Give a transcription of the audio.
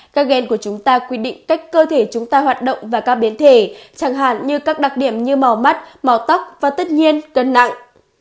các gen của chúng ta quy định cách cơ thể chúng ta hoạt động và các biến thể chẳng hạn như các đặc điểm như màu mắt màu tóc và tất nhiên cân nặng